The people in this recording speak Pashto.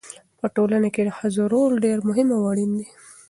په ټولنه کې د ښځو رول ډېر مهم او اړین دی.